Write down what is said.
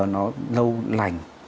nó lâu lành